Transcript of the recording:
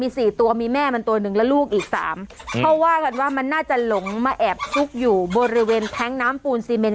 สี่ตัวมีแม่มันตัวหนึ่งและลูกอีกสามเขาว่ากันว่ามันน่าจะหลงมาแอบซุกอยู่บริเวณแท้งน้ำปูนซีเมน